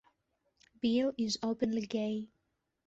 Beale is openly gay.